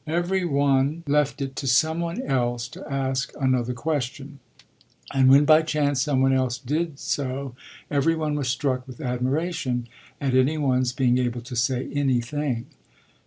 Every one left it to some one else to ask another question; and when by chance some one else did so every one was struck with admiration at any one's being able to say anything.